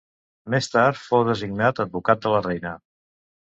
Més tard, fou designat advocat de la reina.